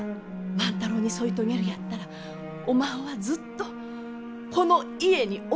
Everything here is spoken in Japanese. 万太郎に添い遂げるやったらおまんはずっとこの家におってえい。